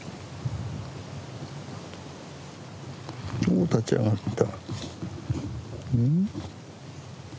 お立ち上がった。